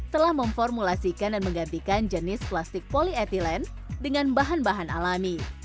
telah memformulasikan dan menggantikan jenis plastik polyetilen dengan bahan bahan alami